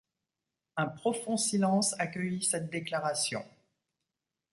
Un profond silence accueillit cette déclaration.